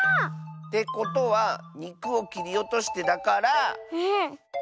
てことは「にくをきりおとして」だから。